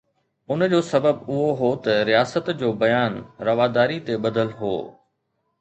ان جو سبب اهو هو ته رياست جو بيان رواداري تي ٻڌل هو.